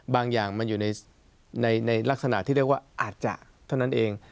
อย่างมันอยู่ในลักษณะที่เรียกว่าอาจจะเท่านั้นเอง